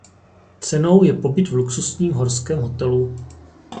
Cenou je pobyt v luxusním horském hotelu.